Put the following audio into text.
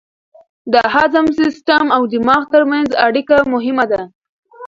د هضم سیستم او دماغ ترمنځ اړیکه مهمه ده.